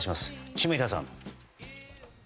下平さん。